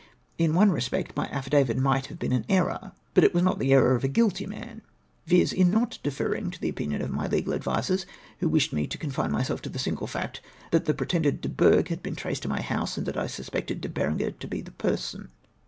In one respect, my affidavit might have been an error, but it was not the error of a guilty man ; viz. in not defening to the opinion of my legal advisers, who wished me to confine myself to the single fact that the pretended Du Bourg had been traced to my house, and that I suspected De Berenger to be the person.